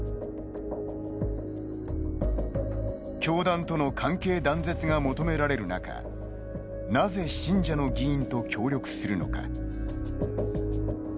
教団との関係断絶が求められるなかなぜ信者の議員と協力するのか。